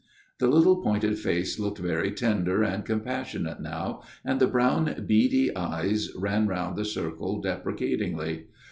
The little pointed face looked very tender and compassionate now, and the brown, beady eyes ran round the circle deprecatingly.